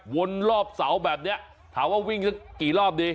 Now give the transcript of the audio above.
วนรอบเสาแบบนี้ถามว่าวิ่งสักกี่รอบดี